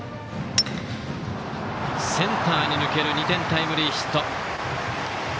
センターに抜ける２点タイムリーヒット。